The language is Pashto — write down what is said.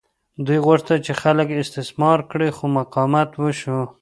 دوی غوښتل چې خلک استثمار کړي خو مقاومت وشو.